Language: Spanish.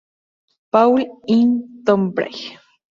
Paul en Tonbridge.